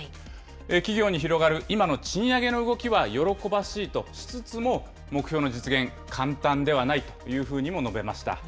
企業に広がる今の賃上げの動きは喜ばしいとしつつも、目標の実現、簡単ではないというふうにも述べました。